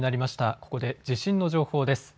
ここで地震の情報です。